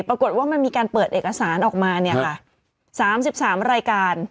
ปรากฏว่ามันมีการเปิดเอกสารออกมา๓๓รายการ